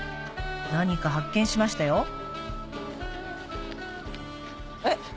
何か発見しましたよえっ。